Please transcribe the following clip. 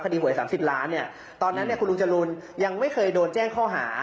หวย๓๐ล้านเนี่ยตอนนั้นคุณลุงจรูนยังไม่เคยโดนแจ้งข้อหา